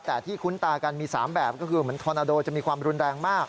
แต่ที่คุ้นตากันมี๓แบบก็คือเหมือนทอนาโดจะมีความรุนแรงมาก